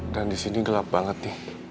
dan disini gelap banget nih